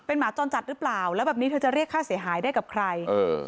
หมาจรจัดหรือเปล่าแล้วแบบนี้เธอจะเรียกค่าเสียหายได้กับใครเออ